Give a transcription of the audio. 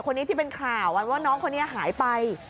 ที่เป็นข่าวว่าน้องคนนี้หายไป